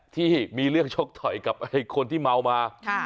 ที่มีเรื่องชกต่อยกับคนที่เมามา